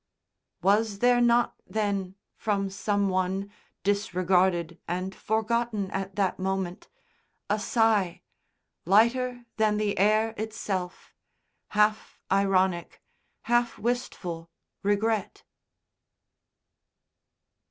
Was there not then, from some one, disregarded and forgotten at that moment, a sigh, lighter than the air itself, half ironic, half wistful regret?